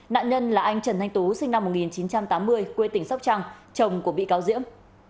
nạn nhân là anh trần thanh tú sinh năm một nghìn chín trăm tám mươi quê tỉnh sóc trăng chồng của bị cáo diễm